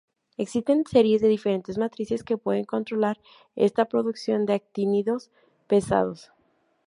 Existen series de diferentes matrices que pueden controlar esta producción de actínidos pesados.